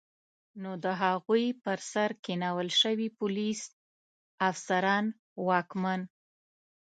نو د هغوی پر سر کینول شوي پولیس، افسران، واکمن